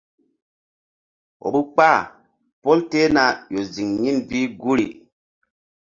Vbukpa pol tehna ƴo ziŋ yin bi guri.